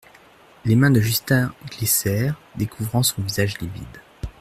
Les mains de Justin glissèrent, découvrant son visage livide.